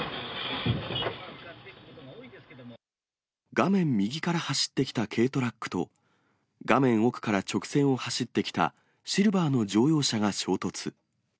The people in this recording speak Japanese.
画面右から走ってきた軽トラックと、画面奥から直線を走ってきたシルバーの乗用車が衝突。